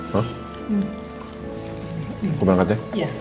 terus gue balik kate